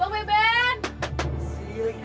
hai mbengke belot nih